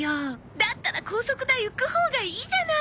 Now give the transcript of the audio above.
だったら高速代浮くほうがいいじゃない！